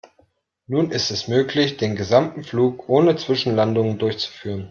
Nun ist es möglich, den gesamten Flug ohne Zwischenlandungen durchzuführen.